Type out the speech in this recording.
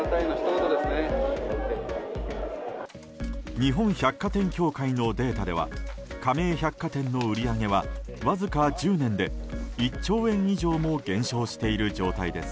日本百貨店協会のデータでは加盟百貨店の売り上げはわずか１０年で１兆円以上も減少している状態です。